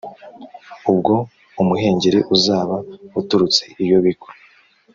ubwo umuhengeri uzaba uturutse iyo bigwa?